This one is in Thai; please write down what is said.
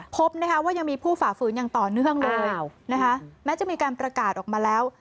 พบนะคะว่ายังมีผู้ฝ่าฝืนอย่างต่อเนื่องเลยนะคะแม้จะมีการประกาศออกมาแล้ว